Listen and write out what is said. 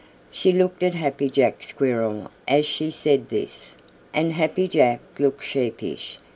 She looked at Happy Jack Squirrel as she said this, and Happy Jack looked sheepish.